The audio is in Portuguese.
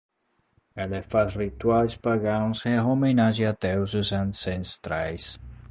Ele faz rituais pagãos em homenagem a deuses ancestrais